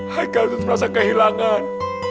haikat terus merasa kehilangan